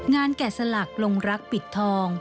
แกะสลักลงรักปิดทอง